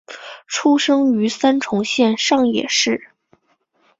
出生于三重县上野市。